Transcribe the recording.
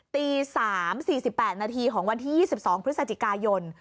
ตี๓๔๘นาทีของวันที่๒๒พฤศจิกายน